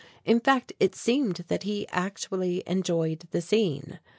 In fact it seemed that he actually enjoyed the scene.